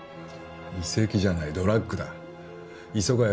遺跡じゃないドラッグだ磯ヶ